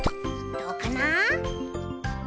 どうかな？